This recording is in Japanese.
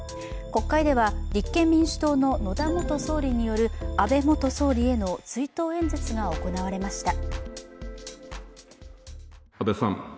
国会では立憲民主党の野田元総理による安倍元総理への追悼演説が行われました。